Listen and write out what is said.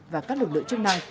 và các lực lượng chức năng